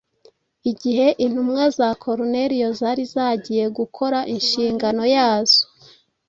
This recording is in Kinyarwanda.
Igihe intumwa za Koruneliyo zari zagiye gukora inshingano yazo,